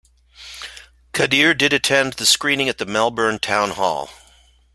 Kadeer did attend the screening at the Melbourne Town Hall.